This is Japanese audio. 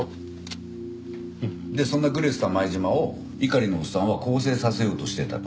でそんなグレてた前島を猪狩のオッサンは更生させようとしてたと。